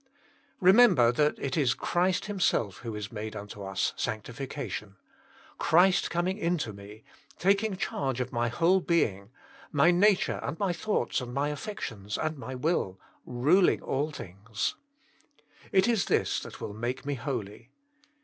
Remember that it is Christ Himself who is made unto us sanctifi cation. Christ coming into me, taking charge of my whole being ; my nature and my thoughts and my affections 46 Jesus Himself, and my will ; ruling all things. It is this that will make me holy.